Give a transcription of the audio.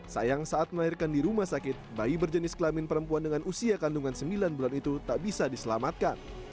sayang saat melahirkan di rumah sakit bayi berjenis kelamin perempuan dengan usia kandungan sembilan bulan itu tak bisa diselamatkan